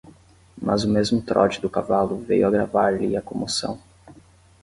Mas o mesmo trote do cavalo veio agravar-lhe a comoção.